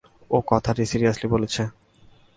ও কথাটা সিরিয়াসলি বলেছে!